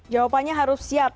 jawabannya harus siap